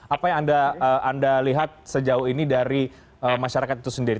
apa yang anda lihat sejauh ini dari masyarakat itu sendiri